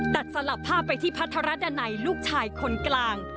แต่สลับผ้าไปที่พระธรรณไหนลูกชายคนกลาง